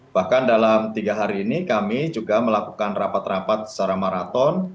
bahkan dalam tiga hari ini kami juga melakukan rapat rapat secara maraton